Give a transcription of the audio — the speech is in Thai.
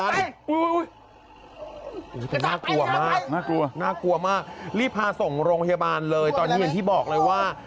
โอ้โหแต่น่ากลัวมากน่ากลัวน่ากลัวมากรีบพาส่งโรงพยาบาลเลยตอนนี้อย่างที่บอกเลยว่า